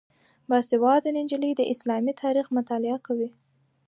باسواده نجونې د اسلامي تاریخ مطالعه کوي.